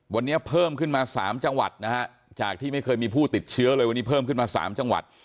วันนี้เพิ่มขึ้นมา๓จังหวัดนะฮะจากที่ไม่เคยมีผู้ติดเชื้อเลยวันนี้เพิ่มขึ้นมา๓จังหวัด